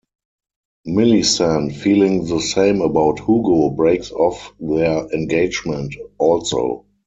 Millicent, feeling the same about Hugo, breaks off their engagement also.